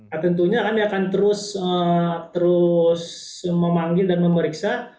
nah tentunya kami akan terus memanggil dan memeriksa